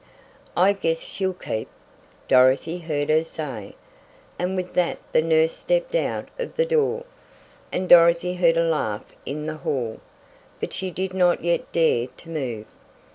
"I guess she'll keep," Dorothy heard her say, and with that the nurse stepped out of the door, and Dorothy heard a laugh in the hall. But she did not yet dare to move.